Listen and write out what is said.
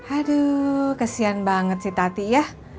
aduh kesian banget sih tati ya